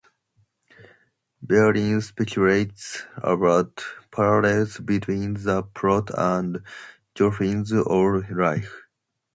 Berlin speculates about parallels between the plot and Joplin's own life.